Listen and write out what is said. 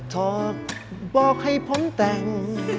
ไทรัตท็อคบอกให้ผมแต่ง